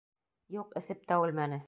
Юҡ, эсеп тә үлмәне...